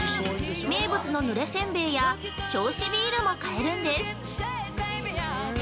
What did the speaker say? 名物のぬれ煎餅や銚子ビールも買えるんです。